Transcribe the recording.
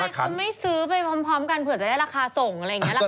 ทำไมคุณไม่ซื้อไปพร้อมกันเผื่อจะได้ราคาส่งอะไรอย่างนี้